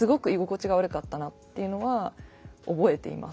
っていうのは覚えています。